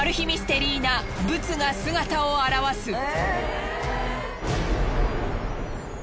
ミステリーなブツが姿を現す。